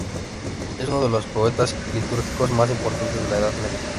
Es uno de los poetas litúrgicos más importantes de la Edad Media.